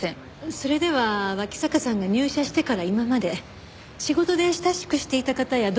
それでは脇坂さんが入社してから今まで仕事で親しくしていた方や同僚の方を教えてもらえますか？